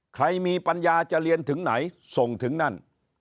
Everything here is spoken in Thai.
ใครมีปัญญาจะเรียนถึงไหนส่งถึงนั่น